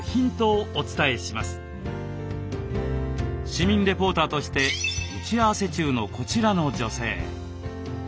市民レポーターとして打ち合わせ中のこちらの女性。